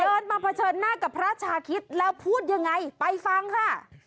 เดินมาเผชิญหน้ากับพระชาคิดแล้วพูดยังไงไปฟังค่ะ